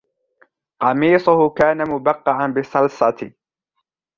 قميصهُ كان مبقعاً بالصلصة.